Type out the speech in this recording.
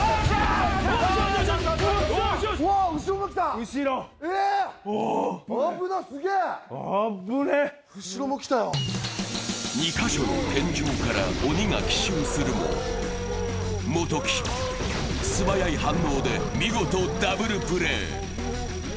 三井不動産２か所の天井から鬼が奇襲するも元木、素早い反応で見事ダブルプレー。